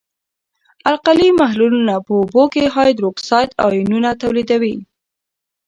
القلي محلولونه په اوبو کې هایدروکساید آیونونه تولیدوي.